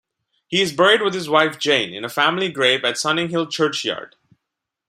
He is buried with his wife Jane in a family grave at Sunninghill churchyard.